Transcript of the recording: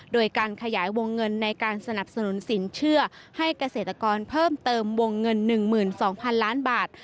โดยการขยายวงเงินในการสนับสนุนสินเชื่อให้เกษตรกรเพิ่มเติมวงเงิน๑๒๐๐๐ล้านบาท